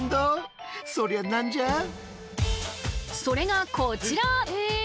それがこちら！